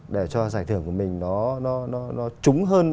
để cho giải thưởng của mình nó trúng hơn